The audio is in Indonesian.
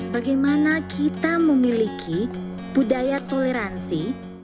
bagaimana kita memiliki budaya toleransi